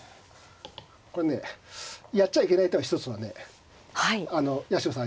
これねやっちゃいけない手は一つはね八代さん